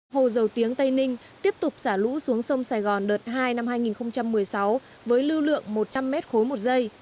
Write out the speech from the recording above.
hồ dầu tiếng tây ninh tiếp tục xả lũ xuống sông sài gòn đợt hai năm hai nghìn một mươi sáu với lưu lượng một trăm linh m ba một giây